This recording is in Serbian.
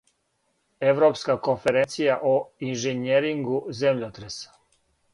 Европска конференција о инжењерингу земљотреса.